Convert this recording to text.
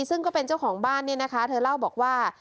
ซึ่งก็เป็นเจ้าของบ้านเนี่ยนะคะเธอเล่าบอกว่า